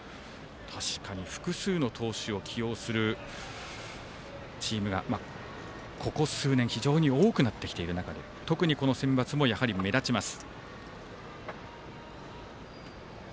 確かに複数の投手を起用するチームがここ数年、非常に多くなってきている中で特にセンバツも目立ちます。